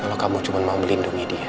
kalau kamu cuma mau melindungi dia